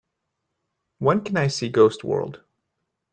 When can I see Ghost World